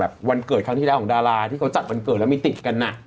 วันเกิดครั้งที่แล้วของดาราที่เขาจัดวันเกิดแล้วมีติดกัน